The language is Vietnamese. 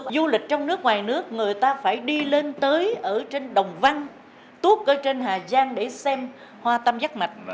du lịch trong nước ngoài nước người ta phải đi lên tới ở trên đồng văn túp ở trên hà giang để xem hoa tâm giác mạch